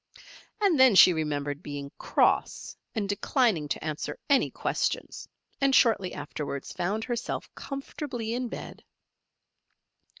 And then she remembered being "cross" and declining to answer any questions, and shortly afterwards found herself comfortably in bed.